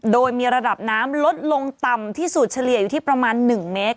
โดยมีระดับน้ำลดลงต่ำที่สุดเฉลี่ยอยู่ที่ประมาณ๑เมตร